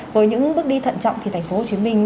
với những bước đi thận trọng thì thành phố hồ chí minh